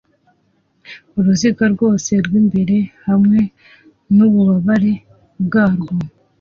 Uruziga rwose rw'imbere hamwe n'ububabare bwarwo